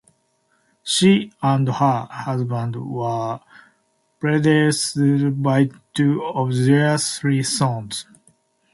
She and her husband were predeceased by two of their three sons.